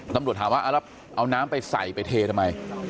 ตำรวจถามว่าแล้วเอาน้ำไปใส่ไปเททำไม